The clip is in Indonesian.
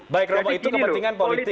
baik romo itu kepentingan politik